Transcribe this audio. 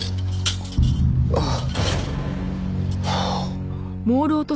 ああ。